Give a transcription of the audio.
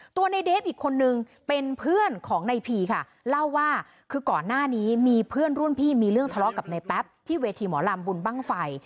ตัวในเดฟอีกคนนึงเป็นเพื่อนของในพีค่ะเล่าว่าคือก่อนหน้านี้มีเพื่อนรุ่นพี่มีเรื่องทะเลาะกับในแป๊บที่เวทีหมอลำบุญบ้างไฟ